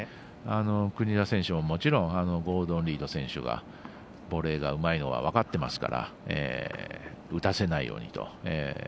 国枝選手、もちろんゴードン・リード選手がボレーがうまいのは分かってますから打たせないようにと。